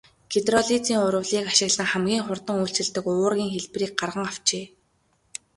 Гидролизын урвалыг ашиглан хамгийн хурдан үйлчилдэг уургийн хэлбэрийг гарган авчээ.